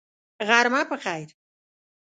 غرمه په خیر !